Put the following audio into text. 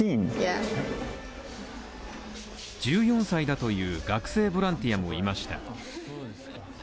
１４歳だという学生ボランティアもいました。